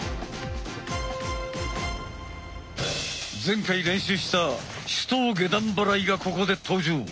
前回練習した手刀下段払いがここで登場。